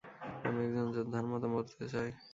আমি একজন যোদ্ধার মতো মরতে চাই।